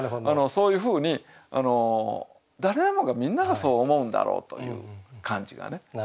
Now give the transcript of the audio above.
そういうふうに誰もがみんながそう思うんだろうという感じがね。